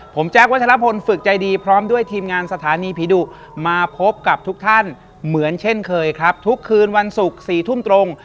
ผมแจ๊ควัชลพลฝึกใจดีพร้อมด้วยทีมงานสถานีผีดุมาพบกับทุกท่านเหมือนเช่นเคยครับทุกคืนวันศุกร์๔ทุ่มตรง